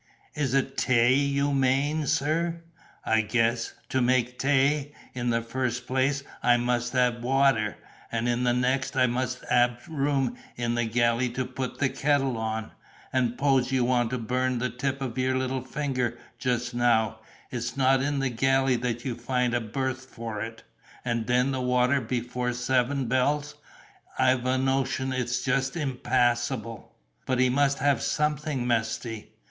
"Is it tay you mane, sir? I guess, to make tay, in the first place I must ab water, and in the next must ab room in the galley to put the kettle on—and 'pose you wanted to burn the tip of your little finger just now, it's not in the galley that you find a berth for it—and den the water before seven bells. I've a notion its just impassible." "But he must have something, Mesty."